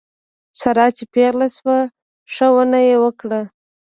ساره چې پېغله شوه ښه ونه یې وکړه.